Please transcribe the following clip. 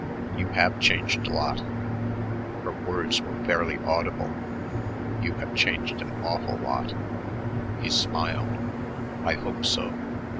"You have changed a lot." Her words were barely audible. "You have changed an awful lot." He smiled. "I hope so.